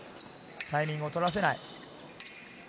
タイミングを取らせない。